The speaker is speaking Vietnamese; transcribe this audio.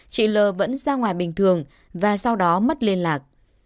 chị l vẫn ra ngoài bình thường và sau đó mất liên lạc